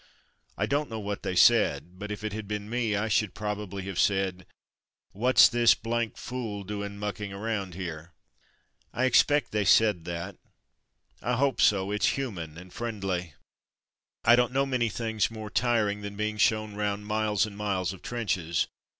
I don't know what they said, Verdun Heroes 171 but if it had been me I should probably have said, ''What's this — fool doin' muckin' around here?'" I expect they said that — I hope so; it's human and friendly. I don't know many things more tiring than being shown round miles and miles of trenches.